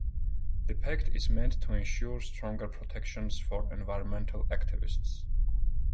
The pact is meant to ensure stronger protections for environmental activists.